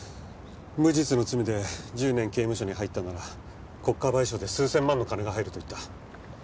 無実の罪で１０年刑務所に入ったなら国家賠償で数千万の金が入ると言った。